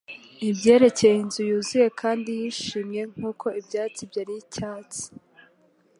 Ibyerekeye inzu yuzuye kandi yishimye nkuko ibyatsi byari icyatsi,